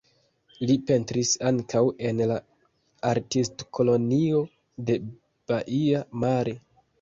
Li pentris ankaŭ en la Artistkolonio de Baia Mare.